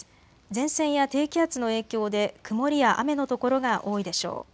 前線や低気圧の影響で曇りや雨の所が多いでしょう。